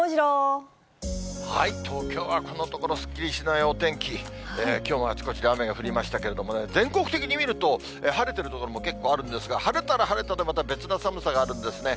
東京はこのところすっきりしないお天気、きょうもあちこちで雨が降りましたけどもね、全国的に見ると、晴れてる所も結構あるんですが、晴れたら晴れたで、また別な寒さがあるんですね。